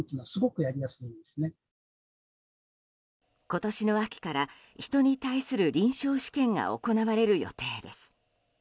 今年の秋から人に対する臨床試験が行われる予定です。